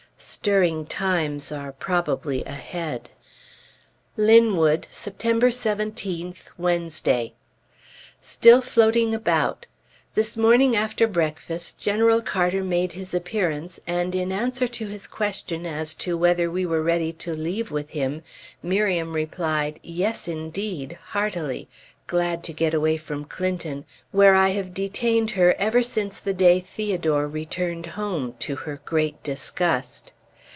Stirring times are probably ahead. LINWOOD, September 17th, Wednesday. Still floating about! This morning after breakfast, General Carter made his appearance, and in answer to his question as to whether we were ready to leave with him, Miriam replied, "Yes, indeed!" heartily, glad to get away from Clinton, where I have detained her ever since the day Theodore returned home, to her great disgust.